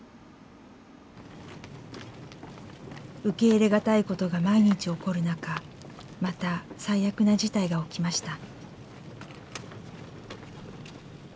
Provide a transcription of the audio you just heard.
受け入れがたいことが毎日起こる中また最悪な事態が起きました。